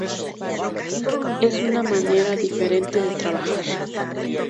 Es una manera diferente de trabajar.